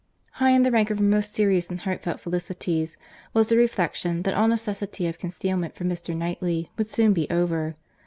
High in the rank of her most serious and heartfelt felicities, was the reflection that all necessity of concealment from Mr. Knightley would soon be over.